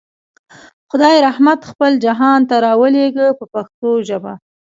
خدای رحمت خپل جهان ته راولېږه په پښتو ژبه.